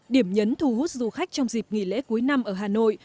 điểm nhấn thu hút du khách trong dịp nghỉ lễ cuối năm ở hà nội